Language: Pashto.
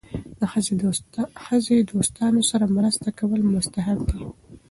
د ښځې دوستانو سره مرسته کول مستحب دي.